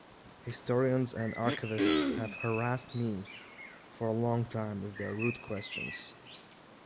Historians and archivists have harassed me for a long time with their rude questions.